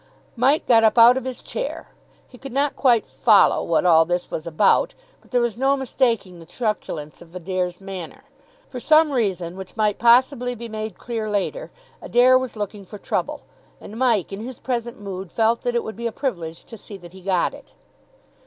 Mike got up out of his chair. He could not quite follow what all this was about, but there was no mistaking the truculence of Adair's manner. For some reason, which might possibly be made clear later, Adair was looking for trouble, and Mike in his present mood felt that it would be a privilege to see that he got it.